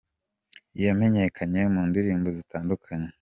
yamenyekanye mu ndirimbo zitandukanye